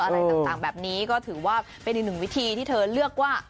อะไรต่างแบบนี้ก็ถือว่าเป็นอีกหนึ่งวิธีที่เธอเลือกว่า